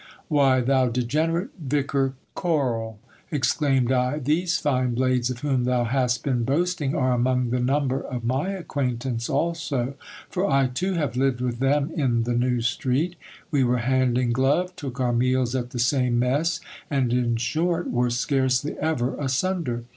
Why, thou degenerate vicar choral ! exclaimed I, these fine blades of whom thou hast been boasting are among the number of my acquaintance also, for I too have lived with them in the New Street ; we were hand in glove, took our meals at the same mess, and, in short, were scarcely ever asunder.